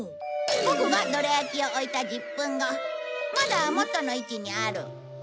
ボクがどら焼きを置いた１０分後まだもとの位置にある。